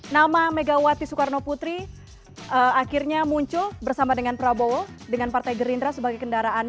nama megawati soekarno putri akhirnya muncul bersama dengan prabowo dengan partai gerindra sebagai kendaraan